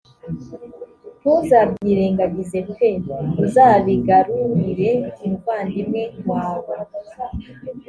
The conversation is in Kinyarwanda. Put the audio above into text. ntuzabyirengagize p uzabigarurire umuvandimwe wawe